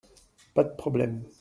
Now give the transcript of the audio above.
Pas de problème !